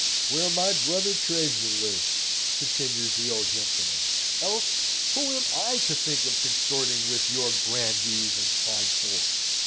"Where my brother tradesmen live," continues the old gentleman. "Else who am I to think of consorting with your grandees and fine folk?